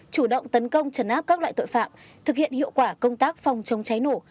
chủ động tấn công trấn áp các loại tội phạm thực hiện hiệu quả công tác phòng chống cháy nổ